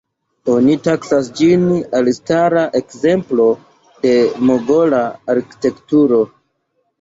Oni taksas ĝin elstara ekzemplo de Mogola arkitekturo.